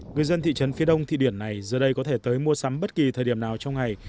người dân thị trấn phía đông thụy điển này giờ đây có thể tới mua sắm bất kỳ thời điểm nào trong ngày